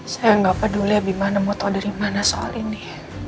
saya gak peduli abimana mau tau dari mana soal ini